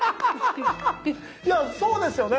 いやそうですよね